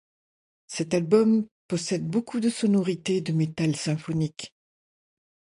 Cet album possède beaucoup de sonorités de Metal symphonique.